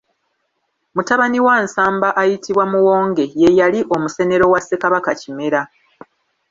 Mutabani wa Nsamba ayitibwa Muwonge ye yali omusenero wa Ssekabaka Kimera.